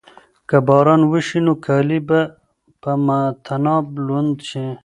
که باران وشي نو کالي به په طناب لوند شي.